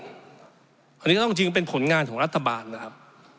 อันนี้ก็ต้องจริงเป็นผลงานของรัฐบาลนะครับ